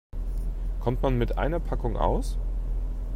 Kommt man mit einer Packung aus?